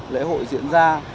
lễ hội diễn ra